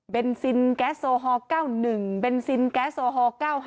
เป็นซินแก๊สโซฮอล๙๑เบนซินแก๊สโอฮอล๙๕